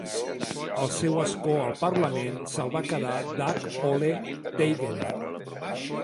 El seu ascó al parlament se'l va quedar Dag Ole Teigen.